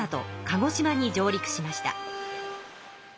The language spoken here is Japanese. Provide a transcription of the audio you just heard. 鹿児島に上陸しました。